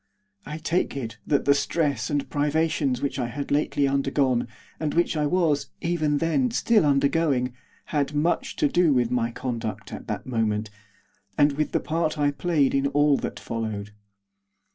I take it that the stress and privations which I had lately undergone, and which I was, even then, still undergoing, had much to do with my conduct at that moment, and with the part I played in all that followed.